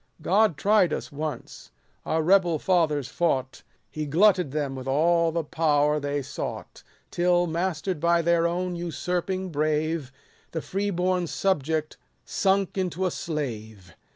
God tried us once ; our rebel fathers fought, He glutted them with all the power they sought : Till, master'd by their own usurping brave, The free born subject sunk into a slave.